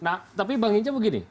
nah tapi bang hinca begini